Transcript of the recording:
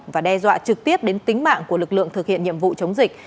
và đe dọa trực tiếp đến tính mạng của lực lượng thực hiện nhiệm vụ chống dịch